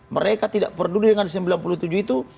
mereka tidak peduli dengan sembilan puluh tujuh itu